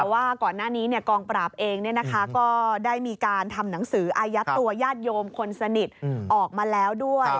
ว่าก่อนหน้านี้กองปราบเองก็ได้มีการทำหนังสืออายัดตัวญาติโยมคนสนิทออกมาแล้วด้วย